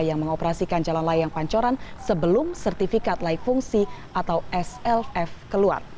yang mengoperasikan jalan layang pancoran sebelum sertifikat laik fungsi atau slf keluar